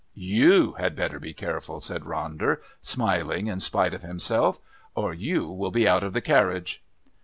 "You had better be careful," said Ronder, smiling in spite of himself, "or you will be out of the carriage."